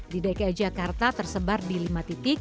di dki jakarta tersebar di lima titik